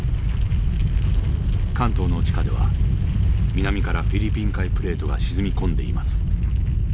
関東の地下では南からフィリピン海プレートが沈み込んでいます。